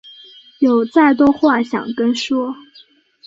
有再多话想跟说